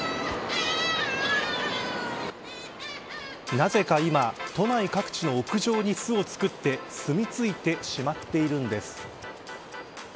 なぜか今、都内各地の屋上に巣を作って住みついてしまっているんです。